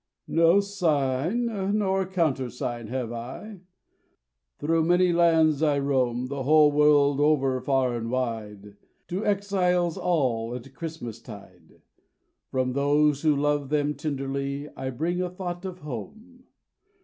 'No sign nor countersign have I, Through many lands I roam The whole world over far and wide, To exiles all at Christmastide, From those who love them tenderly I bring a thought of home.